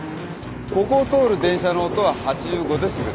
ここを通る電車の音は８５デシベル。